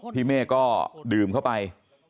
พี่เม่ก็ดื่มเข้าไป